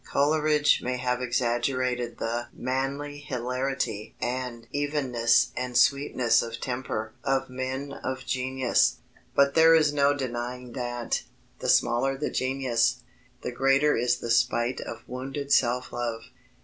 Coleridge may have exaggerated the "manly hilarity" and "evenness and sweetness of temper" of men of genius. But there is no denying that, the smaller the genius, the greater is the spite of wounded self love.